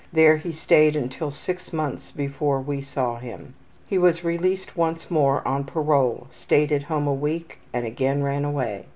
There he stayed until 6 months before we saw him. He was released once more on parole, stayed at home a week, and again ran away.